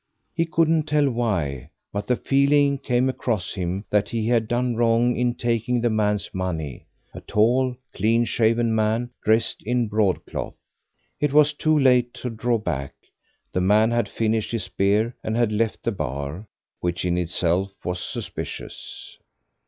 He couldn't tell why, but the feeling came across him that he had done wrong in taking the man's money a tall, clean shaven man dressed in broadcloth. It was too late to draw back. The man had finished his beer and had left the bar, which in itself was suspicious.